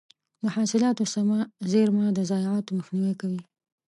د حاصلاتو سمه زېرمه د ضایعاتو مخنیوی کوي.